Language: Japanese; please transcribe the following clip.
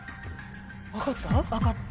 分かった？